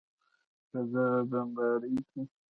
په دغې بیمارۍ کې